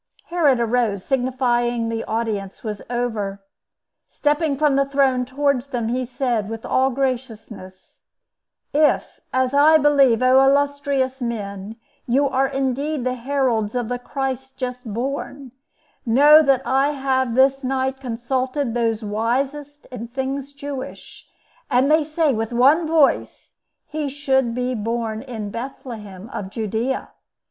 Herod arose, signifying the audience was over. Stepping from the throne towards them, he said, with all graciousness, "If, as I believe, O illustrious men, you are indeed the heralds of the Christ just born, know that I have this night consulted those wisest in things Jewish, and they say with one voice he should be born in Bethlehem of Judea.